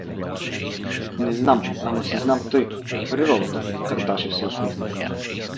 — Не знам, ама си знам тъй, от природата… Кардашев се усмихна.